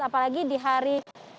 apalagi di hari